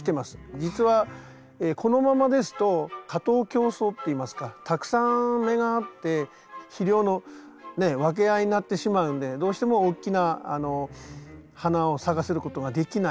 実はこのままですと過当競争っていいますかたくさん芽があって肥料の分け合いになってしまうんでどうしても大きな花を咲かせることができないんで。